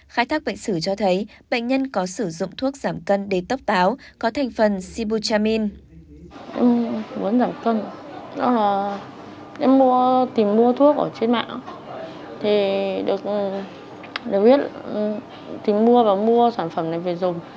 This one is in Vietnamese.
khai thác bệnh sử cho thấy bệnh nhân có sử dụng thuốc giảm cân để tốc táo có thành phần sibutramine